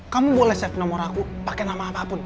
kamu boleh set nomor aku pakai nama apapun